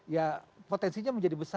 ya potensinya menjadi besar